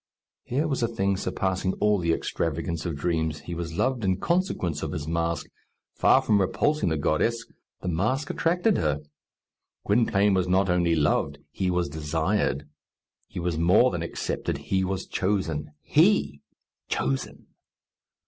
Here was a thing surpassing all the extravagance of dreams. He was loved in consequence of his mask. Far from repulsing the goddess, the mask attracted her. Gwynplaine was not only loved; he was desired. He was more than accepted; he was chosen. He, chosen!